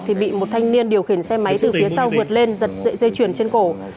thì bị một thanh niên điều khiển xe máy từ phía sau vượt lên giật sợi dây chuyền trên cổ